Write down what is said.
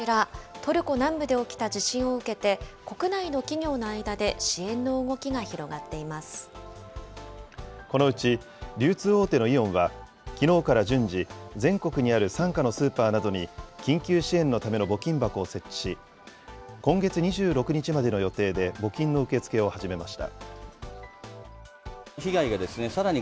トルコ南部で起きた地震を受けて、国内の企業の間で支援の動きが広がっていまこのうち、流通大手のイオンはきのうから順次、全国にある傘下のスーパーなどに、緊急支援のための募金箱を設置し、今月２６日までの予定で、募金の受け付けを始めました。